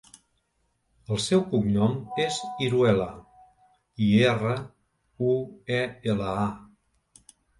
El seu cognom és Iruela: i, erra, u, e, ela, a.